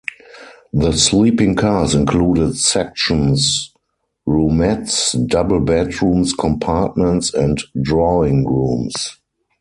The sleeping cars included sections, roomettes, double bedrooms, compartments, and drawing rooms.